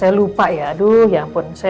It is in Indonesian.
saya lupa ya aduh ya ampun saya